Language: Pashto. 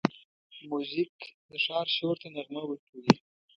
موزیک د ښار شور ته نغمه ورکوي.